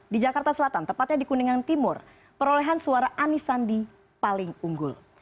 di jakarta selatan tepatnya di kuningan timur perolehan suara anies sandi paling unggul